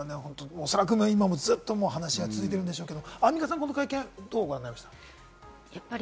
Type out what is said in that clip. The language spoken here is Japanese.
おそらく今もずっと話し合いは続いているんでしょうけど、アンミカさん、この会見、どうご覧になりました？